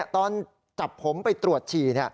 ตอนจับผมไปตรวจฉี่